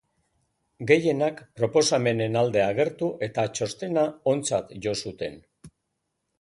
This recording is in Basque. Gehienak proposamenen alde agertu eta txostena ontzat jo zuten.